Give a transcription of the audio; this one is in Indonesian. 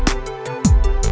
gak ada yang nungguin